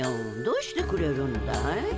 どうしてくれるんだい。